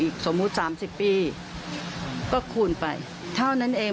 ก็คูณไปเท่านั้นเอง